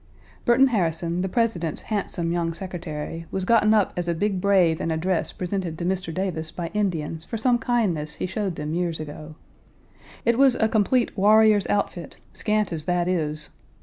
Burton Harrison, the President's handsome young secretary, was gotten up as a big brave in a dress presented to Mr. Davis by Indians for some kindness he showed them years ago. It was a complete warrior's outfit, scant as that is.